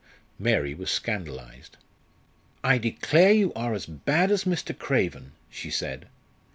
Mary was scandalised. "I declare you are as bad as Mr. Craven," she said.